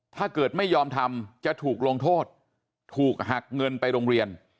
ถ้าเกิดไม่ยอมทำจะถูกลงโทษถูกหักเงินไปโรงเรียน